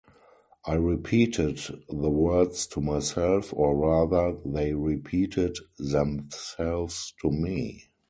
I repeated the words to myself, or rather they repeated themselves to me.